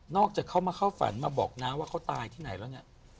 จากเขามาเข้าฝันมาบอกน้าว่าเขาตายที่ไหนแล้วเนี่ย